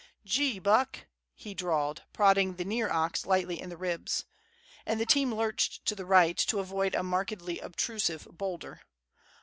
"Gee, Buck!" he drawled, prodding the near ox lightly in the ribs. And the team lurched to the right to avoid a markedly obtrusive boulder.